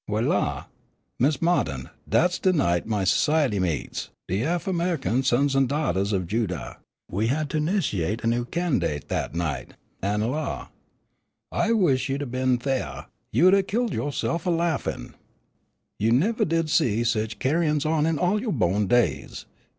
W'y la! Mis' Ma'tin, dat's de night my s'ciety meets, de Af'Ame'ican Sons an' Daughtahs of Judah. We had to 'nitianate a new can'date dat night, an' la! I wish you'd 'a' been thaih, you'd 'a' killed yo'self a laffin'. "You nevah did see sich ca'in's on in all yo' bo'n days.